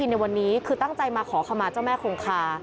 ในวันนี้คือตั้งใจมาขอขมาเจ้าแม่คงคา